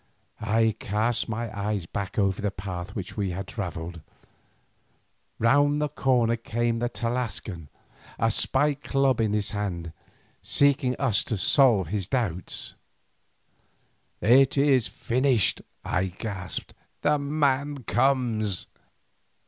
I cast my eyes back over the path which we had travelled. Round the corner came the Tlascalan, a spiked club in his hand, seeking us to solve his doubts. "It is finished," I gasped; "the man comes."